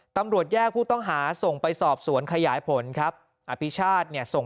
ตำรวจแยกผู้ต้องหาส่งไปสอบสวนขยายผลครับอภิชาติเนี่ยส่ง